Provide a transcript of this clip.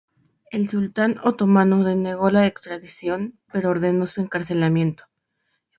El sultán otomano denegó la extradición pero ordenó su encarcelamiento.